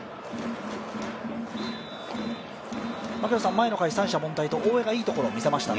前の回、三者凡退と大江がいいところを見せましたね。